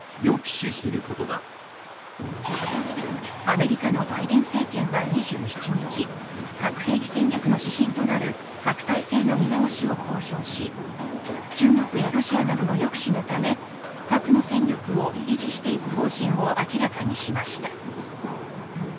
アメリカのバイデン政権は２７日核兵器戦略の指針となる核態勢の見直しを公表し中国やロシアなどの抑止のため核の戦力を維持していく方針を明らかにしました。